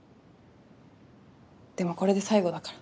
でもこれで最後だから。